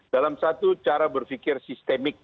dalam satu cara berpikir sistemik